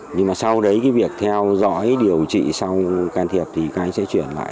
nhưng mà sau đấy cái việc theo dõi điều trị sau can thiệp thì các anh sẽ chuyển lại